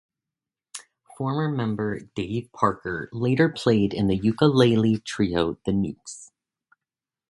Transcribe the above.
Former member Dave Parker later played in the ukulele trio The Nukes.